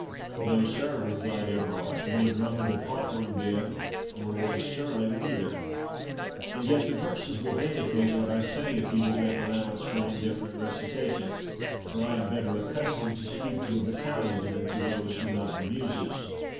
"No, sir," replied Everard, "nor Drummond of Hawthornden, nor Lord Stirling neither. And yet the verses will vindicate what I say, if you will make allowance for indifferent recitation, for I am better accustomed to speak to a battalion than to those who love the muses.